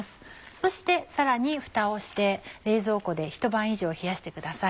そしてさらにふたをして冷蔵庫でひと晩以上冷やしてください。